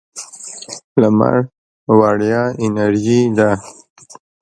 لمر وړیا انرژي ده.